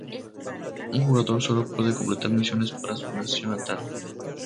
Un jugador solo puede completar misiones para su nación natal.